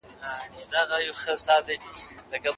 دی په خوب کي لا پاچا د پېښور دی